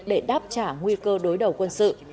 để đáp trả nguy cơ đối đầu quân sự